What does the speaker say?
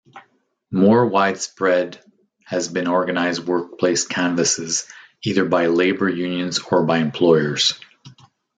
More widespread has been organized workplace canvasses either by labour unions or by employers.